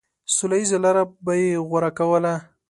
سوله ييزه لاره به يې غوره کوله.